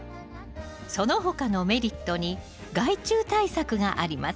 その他のメリットに害虫対策があります。